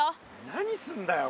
何すんだよ？